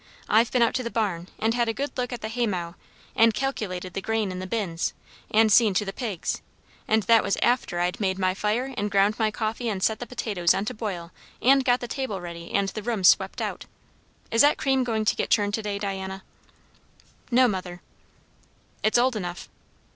I've been out to the barn and had a good look at the hay mow and calculated the grain in the bins; and seen to the pigs; and that was after I'd made my fire and ground my coffee and set the potatoes on to boil and got the table ready and the rooms swept out. Is that cream going to get churned to day, Diana?" "No, mother." "It's old enough."